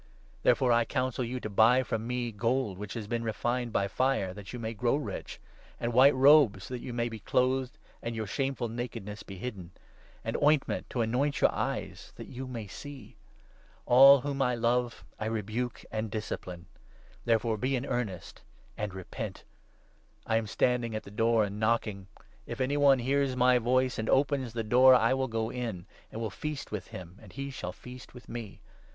Therefore I 18 counsel you to buy from me gold which has been refined by fire, that you may grow rich ; and white robes, that you may be clothed and your shameful nakedness be hidden ; and ointment to anoint your eyes, that you may see. ' All whom 19 I love I rebuke and discipline.' Therefore be in earnest and repent. I am standing at the door and knocking ! If 20 any one hears my voice and opens the door, I will go in, and will feast with him, and he shall feast with me.